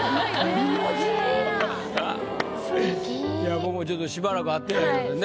僕もちょっとしばらく会ってないのでね。